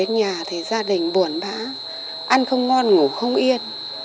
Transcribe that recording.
về đến nhà thì gia đình buồn bã ăn không ngon ngủ không yên